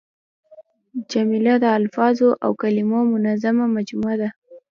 جمله د الفاظو او کلیمو منظمه مجموعه ده.